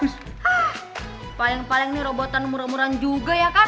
hah paling paling ini robotan murah murah juga ya kan